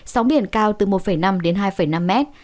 sóng biển cao từ một năm đến hai năm mét